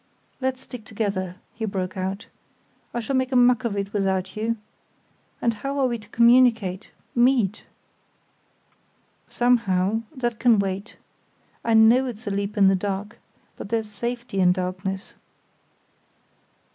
"Let's stick together," he broke out. "I shall make a muck of it without you. And how are we to communicate—meet?" "Somehow—that can wait. I know it's a leap in the dark, but there's safety in darkness."